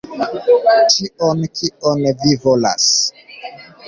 Ĉion kion vi volas.